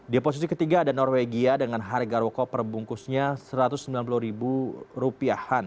di posisi ketiga ada norwegia dengan harga rokok perbungkusnya rp satu ratus sembilan puluh